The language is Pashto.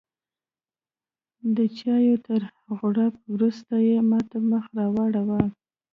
د چایو تر غوړپ وروسته یې ماته مخ راواړوه.